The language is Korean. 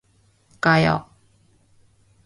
가요.